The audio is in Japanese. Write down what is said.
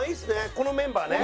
このメンバーね。